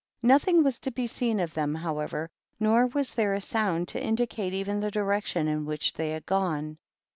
Nothing was to be seen of them, however, nor was there a sound to indicate even the direction in which they had gone.